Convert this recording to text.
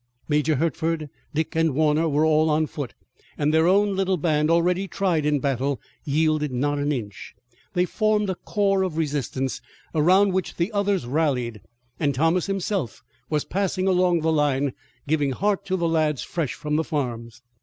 Major Hertford, Dick and Warner were all on foot, and their own little band, already tried in battle, yielded not an inch. They formed a core of resistance around which others rallied and Thomas himself was passing along the line, giving heart to the lads fresh from the farms.